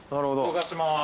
動かします。